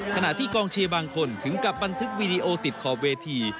ขณะที่กองเชียร์บางคนถึงกับบันทึกวีดีโอติดขอบเวที